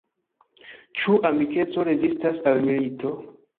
Ĉu amikeco rezistas al milito?